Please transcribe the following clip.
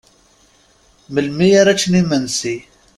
Melmi ara ččen imensi?